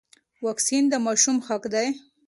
واکسین د ماشوم حق دی.